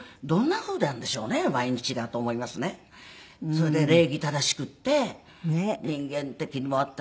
それで礼儀正しくって人間的にも温かくって。